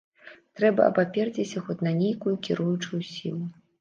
Трэба абаперціся хоць на нейкую кіруючую сілу.